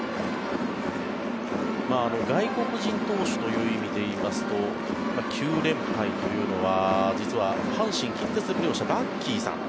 外国人投手という意味で言いますと９連敗というのは実は阪神、近鉄でプレーしたバッキーさん。